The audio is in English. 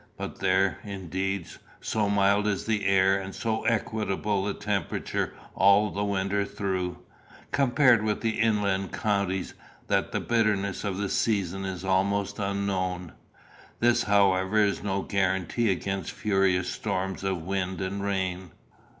But there, indeed, so mild is the air, and so equable the temperature all the winter through, compared with the inland counties, that the bitterness of the season is almost unknown. This, however, is no guarantee against furious storms of wind and rain.